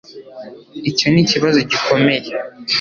icyo nikibazo gikomeye